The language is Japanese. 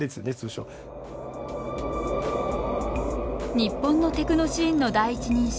日本のテクノシーンの第一人者